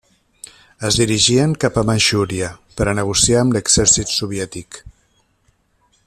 Es dirigien cap a Manxúria per a negociar amb l’exèrcit soviètic.